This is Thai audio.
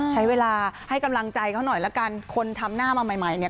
ใช้เวลาให้กำลังใจเขาหน่อยละกันคนทำหน้ามาใหม่ใหม่เนี่ย